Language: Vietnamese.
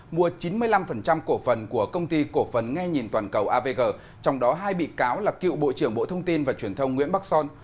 mua chín mươi năm cổ phần của công ty cổ phần nghe nhìn toàn cầu avg trong đó hai bị cáo là cựu bộ trưởng bộ thông tin và truyền thông nguyễn bắc son